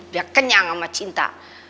biar kenyang ama cinta